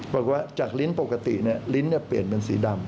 บอกว่าจากลิ้นปกติลิ้นเปลี่ยนเป็นสีดำ